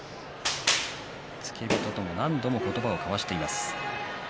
付け人とも何度も言葉を交わしています。